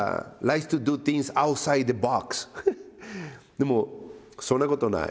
でもそんなことない。